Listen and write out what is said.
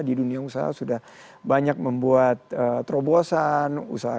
di dunia usaha sudah banyak membuat terobosan